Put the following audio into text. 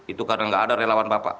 itu karena nggak ada relawan bapak